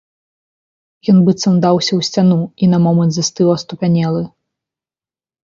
Ён быццам даўся ў сцяну і на момант застыў аслупянелы.